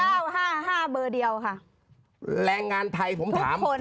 หนึ่งเก้าห้าห้าเบอร์เดียวค่ะแรงงานไทยผมถามทุกคน